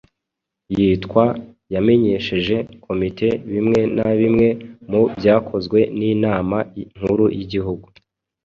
yitwa yamenyesheje Komite bimwe na bimwe mu byakozwe n'Inama Nkuru yIgihugu